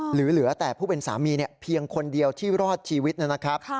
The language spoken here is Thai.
เหลือแต่ผู้เป็นสามีเพียงคนเดียวที่รอดชีวิตนะครับ